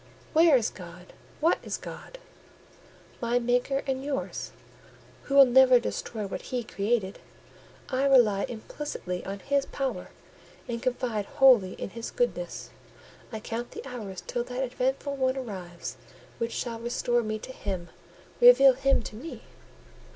"Where is God? What is God?" "My Maker and yours, who will never destroy what He created. I rely implicitly on His power, and confide wholly in His goodness: I count the hours till that eventful one arrives which shall restore me to Him, reveal Him to me."